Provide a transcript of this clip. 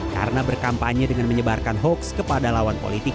karena berkampanye dengan menyebarkan hoaks kepada lawan politik